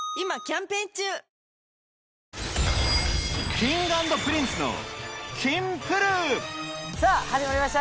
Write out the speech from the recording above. Ｋｉｎｇ＆Ｐｒｉｎｃｅのさぁ始まりました